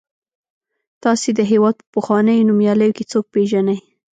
تاسې د هېواد په پخوانیو نومیالیو کې څوک پیژنئ.